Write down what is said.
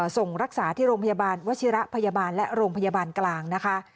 ส่งรักษาที่โรงพยาบาลวชิระพยาบาลและโรงพยาบาลกลางนะคะ